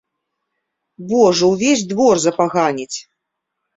Божа, увесь двор запаганіць!